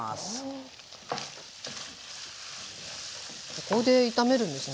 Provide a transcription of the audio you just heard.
ここで炒めるんですね。